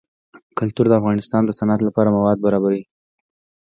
کلتور د افغانستان د صنعت لپاره مواد برابروي.